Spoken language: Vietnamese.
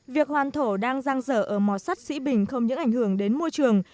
việc hoàn thổ đang giang dở ở mỏ sắc sĩ bình không những ảnh hưởng đến môi trường